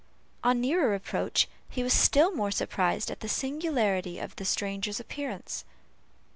On nearer approach, he was still more surprised at the singularity of the stranger's appearance.